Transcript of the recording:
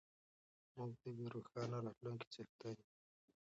موږ د یوې روښانه راتلونکې څښتن یو.